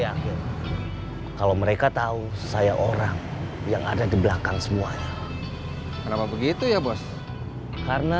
yakin kalau mereka tahu saya orang yang ada di belakang semuanya kenapa begitu ya bos karena